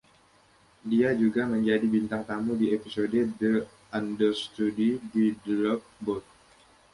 Dia juga menjadi bintang tamu di episode “The Understudy” di “The Love Boat”.